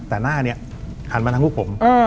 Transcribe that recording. แต่หน้าหันมาทั้งปุ๊กผม